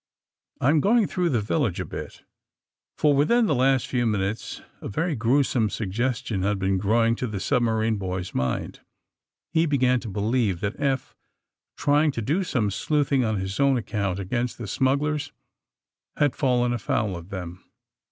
I'm going through the village a bit." AND THE SMUGGLEES 189 For within the last few minutes a very grue some suggestion had been growing in the sub marine boy's mind. He began to believe that Eph, tr^dng to do some sleuthing on his own ac count against the smugglers, had fallen afoul of them.